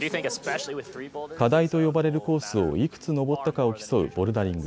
課題と呼ばれるコースをいくつ登ったかを競うボルダリング。